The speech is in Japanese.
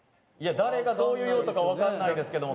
誰がどういう用途か分からないですけど。